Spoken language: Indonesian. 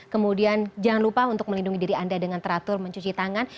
kemudian jangan lupa untuk melindungi diri anda dengan teratur mencuci tangan